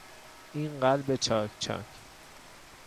این قلب چاک چاک